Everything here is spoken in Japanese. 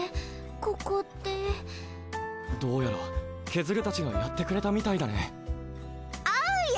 ここってどうやらケズルたちがやってくれたみたいだねおうよ！